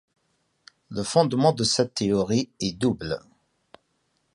Le fondement de cette théorie est double.